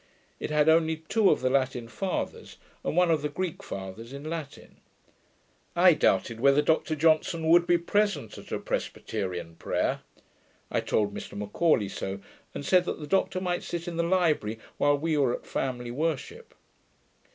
It had only two of the Latin fathers, and one of the Greek fathers in Latin. I doubted whether Dr Johnson would be present at a Presbyterian prayer. I told Mr M'Aulay so, and said that the Doctor might sit in the library while we were at family worship.